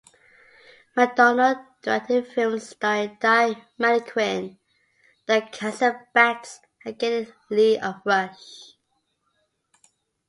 McDonald directed films starring Die Mannequin, the Cancer Bats and Geddy Lee of Rush.